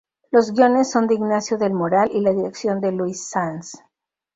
Los guiones son de Ignacio del Moral y la dirección de Luis Sanz.